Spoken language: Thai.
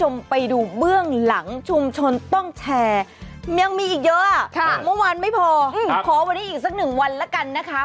เมื่อวานไม่พอขอวันนี้อีกสักหนึ่งวันเลยนะครับ